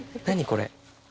これ。